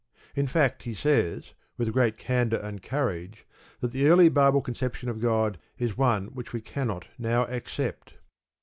In fact, he says, with great candour and courage, that the early Bible conception of God is one which we cannot now accept.